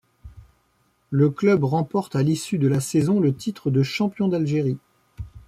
Le club remporte à l'issue de la saison le titre de champion d'Algérie.